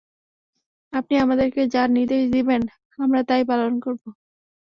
আপনি আমাদের যা নির্দেশ দিবেন আমরা তাই পালন করব।